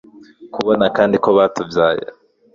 kubona kandi ko batubyaye